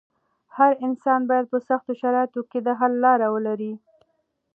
هر انسان بايد په سختو شرايطو کې د حل لاره ولري.